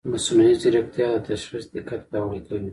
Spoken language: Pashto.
مصنوعي ځیرکتیا د تشخیص دقت پیاوړی کوي.